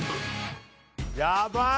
やばい！